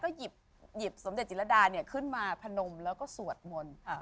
ก็หยิบสมเด็จจิรดาเนี่ยขึ้นมาพนมแล้วก็สวดมนต์